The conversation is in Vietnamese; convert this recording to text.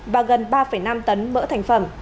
và gần ba năm tấn mỡ thành phẩm